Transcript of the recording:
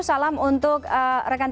salam untuk rekan rekan